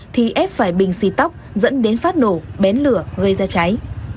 thì ép phải bình xì tóc dẫn đến phát nổ bén lửa gây ra cháy